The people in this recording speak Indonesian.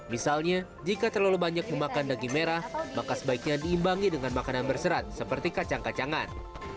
misalnya jika terlalu banyak memakan daging merah maka sebaiknya diimbangi dengan makanan berserat seperti kacang kacangan